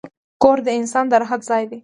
کور د انسان د راحت ځای دی.